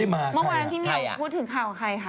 เมื่อวานคุณพูดถึงข่าวใครคะ